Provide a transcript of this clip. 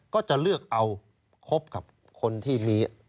ก็จะเลือกเอาคบกับคนที่มี